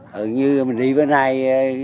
hình như mình đi bữa nay